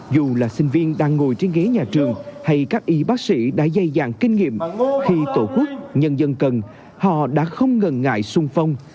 dù là sinh viên đang ngồi trên ghế nhà trường hay các y bác sĩ đã dây dàng kinh nghiệm khi tổ quốc nhân dân cần họ đã không ngần ngại sung phong